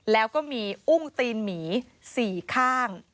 แล้วก็มีอุ้งตีนหมี๔ข้าง